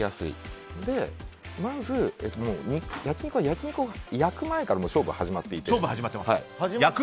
まず、焼き肉は肉を焼く前からもう勝負は始まっていて。